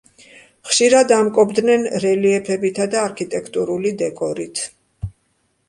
ხშირად ამკობდნენ რელიეფებითა და არქიტექტურული დეკორით.